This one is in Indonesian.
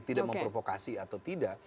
tidak memprovokasi atau tidak